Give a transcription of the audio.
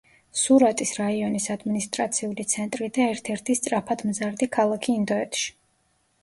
სურატის რაიონის ადმინისტრაციული ცენტრი და ერთ-ერთი სწრაფადმზარდი ქალაქი ინდოეთში.